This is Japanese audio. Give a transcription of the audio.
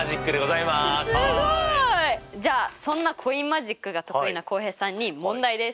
すごい！じゃあそんなコインマジックが得意な浩平さんに問題です。